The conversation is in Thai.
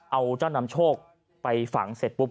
เอาเจ้านำโชคไปฝังเสร็จปุ๊บ